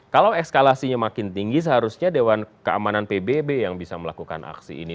kalau eskalasinya makin tinggi seharusnya dewan keamanan pbb yang bisa melakukan aksi ini